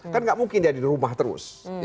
kan tidak mungkin dia di rumah terus